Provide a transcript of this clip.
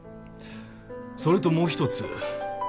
それともう一つ。